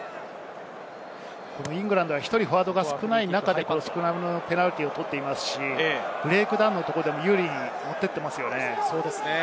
イングランドは１人フォワードが少ない中でフォワードのペナルティーを取っていますし、ブレイクダウンのところでも有利に持っていっていますよね。